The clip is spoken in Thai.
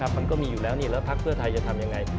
มันก็มีอยู่แล้วแล้วพักเพื่อไทยจะทำยังไง